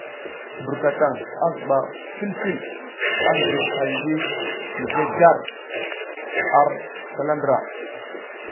Birkataŋ a zuba pil pil a juyo hay ngi mizli gar ar slala ndra.